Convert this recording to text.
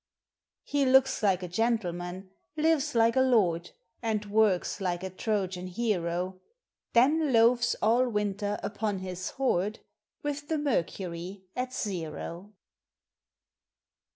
He looks like a gentleman, lives like a lord, And works like a Trojan hero; Then loafs all winter upon his hoard, With the mercury at zero.